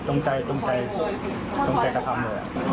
ตรงใจตรงใจกระทำเลย